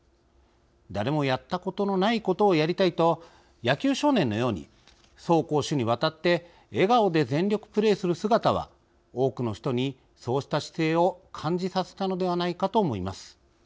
誰もやったことのないことをやりたいと、野球少年のように走攻守にわたって笑顔で全力プレーする姿は多くの人にそうした姿勢を感じさせたのではないかと思います。